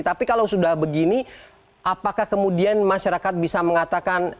tapi kalau sudah begini apakah kemudian masyarakat bisa mengatakan